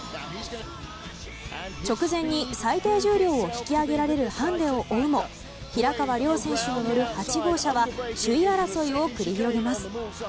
直前に最低重量を引き上げられるハンデを負うも平川亮選手の乗る８号車は首位争いを繰り広げます。